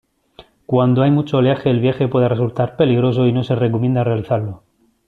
Cuando hay mucho oleaje el viaje puede resultar peligroso y no se recomienda realizarlo.